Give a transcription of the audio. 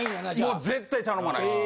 もう絶対頼まないです。